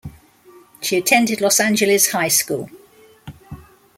She attended Los Angeles High School.